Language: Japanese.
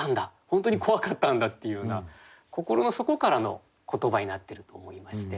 本当に怖かったんだっていうような心の底からの言葉になってると思いまして。